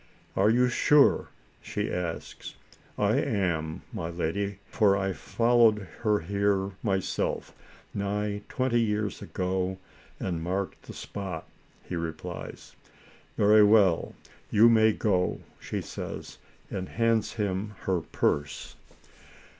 " Are you sure ?" she asks. " I am, my lady, for I followed her here, my self, nigh twenty years ago, and marked the spot," he replies. "Very well, you may go," she says, and hands him her purse.